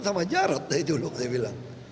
sama jarod dari dulu saya bilang